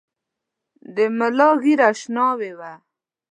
د ملا ږیره شناوۍ وه .